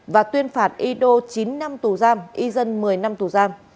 và tuyên phạt ido chín năm tù giam izan một mươi năm tù giam